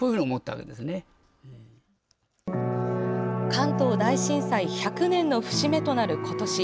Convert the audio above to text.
関東大震災１００年の節目となる今年。